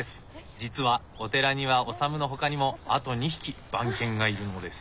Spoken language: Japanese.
実はお寺にはオサムのほかにもあと２匹番犬がいるのです。